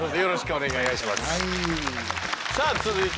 お願いします。